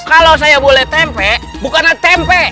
kalau saya boleh tempe bukanlah tempe